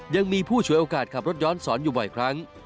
ยังมีผู้ฉวยโอกาสขับรถย้อนสอนอยู่บ่อยครั้ง